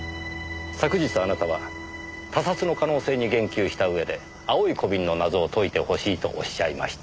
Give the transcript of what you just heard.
昨日あなたは他殺の可能性に言及した上で青い小瓶の謎を解いてほしいとおっしゃいました。